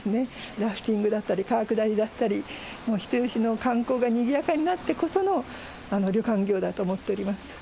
ラフティングだったり、川下りだったり、もう人吉の観光がにぎやかになってこその旅館業だと思っております。